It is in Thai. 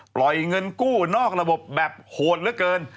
ปล่อยเงินกู้นอกระบบแบบโหดเหลือเกิน